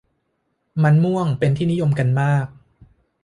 มันม่วงเป็นที่นิยมกันมาก